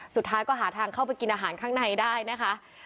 สุดท้ายก็หาทางเข้าไปกินอาหารข้างในได้นะคะ